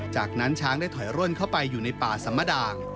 จากนั้นช้างได้ถอยร่นเข้าไปอยู่ในป่าสัมมด่าง